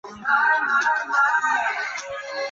季羡林请胡适斧正。